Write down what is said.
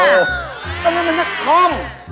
เออนั่นมันหน้าคอม